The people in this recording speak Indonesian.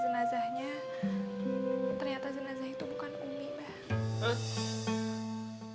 jadi jenazahnya ternyata jenazah itu bukan umi mbah